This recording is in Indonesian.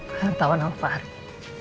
pak artawan alva arif